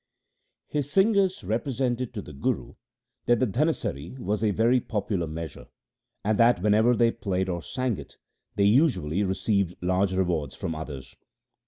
His singers represented to the Guru that the Dhanasari was a very popular measure, and that whenever they played or sang it they usually re ceived large rewards from others.